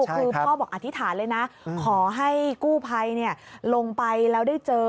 คือพ่อบอกอธิษฐานเลยนะขอให้กู้ภัยลงไปแล้วได้เจอ